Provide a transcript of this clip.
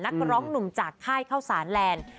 นักร้องหนุ่มจากค่ายเข้าสารแลนด์